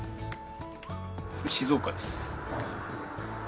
静岡です。